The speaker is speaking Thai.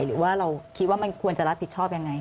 หรือว่าเราคิดว่ามันควรจะรับผิดชอบยังไง